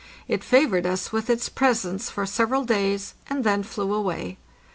It favored us with its presence for several days, and then flew away.